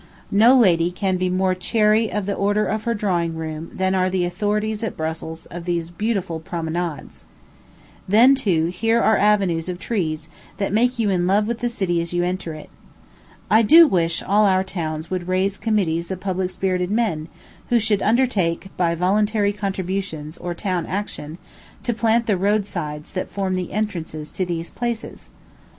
No lady can be more chary of the order of her drawing room than are the authorities at Brussels of these beautiful promenades. Then, too, here are avenues of trees that make you in love with the city as you enter it. I do wish all our towns would raise committees of public spirited men, who should undertake, by voluntary contributions, or town action, to plant the roadsides that form the entrances to these places.